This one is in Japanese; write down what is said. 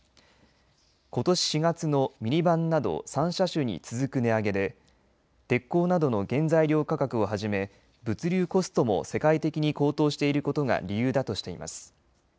ことし４月のミニバンなど３車種に続く値上げで鉄鋼などの原材料価格をはじめ物流コストも世界的に高騰していることが理由だとしています。